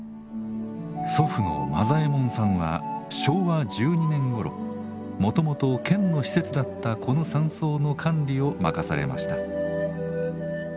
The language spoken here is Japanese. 祖父の間左エ門さんは昭和１２年ごろもともと県の施設だったこの山荘の管理を任されました。